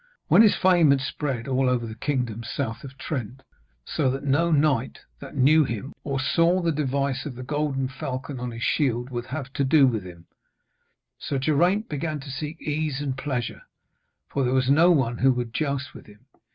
When his fame had spread over all the kingdoms south of Trent, so that no knight that knew him or saw the device of the golden falcon on his shield would have to do with him, Sir Geraint began to seek ease and pleasure, for there was no one who would joust with him.